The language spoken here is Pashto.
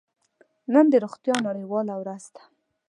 نن د روغتیا نړیواله ورځ ده.